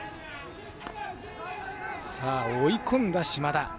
追い込んだ島田。